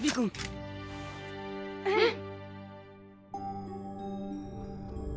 えっ？